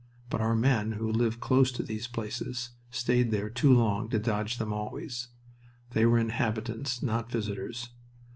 But our men, who lived close to these places, stayed there too long to dodge them always. They were inhabitants, not visitors.